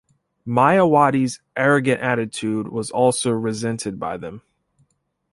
Mayawati's arrogant attitude was also resented by them.